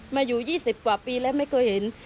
มาอยู่๒๐กว่าปีแล้วไม่เคยเห็น